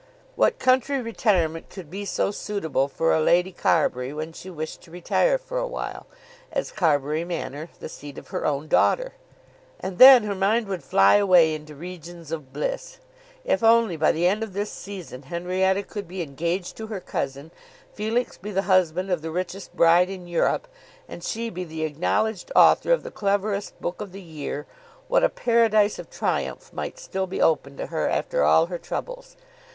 What country retirement could be so suitable for a Lady Carbury when she wished to retire for awhile, as Carbury Manor, the seat of her own daughter? And then her mind would fly away into regions of bliss. If only by the end of this season Henrietta could be engaged to her cousin, Felix be the husband of the richest bride in Europe, and she be the acknowledged author of the cleverest book of the year, what a Paradise of triumph might still be open to her after all her troubles!